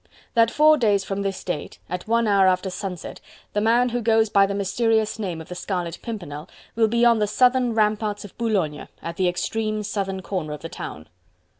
"... that four days from this date, at one hour after sunset, the man who goes by the mysterious name of the Scarlet Pimpernel will be on the southern ramparts of Boulogne, at the extreme southern corner of the town."